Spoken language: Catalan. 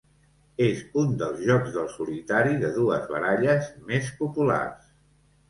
És un dels jocs del solitari de dues baralles més populars.